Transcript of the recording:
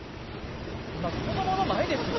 今子供の前ですよ